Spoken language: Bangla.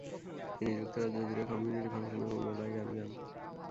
তিনি যুক্তরাজ্য জুড়ে কমিউনিটি ফাংশন এবং মেলায় গান গান।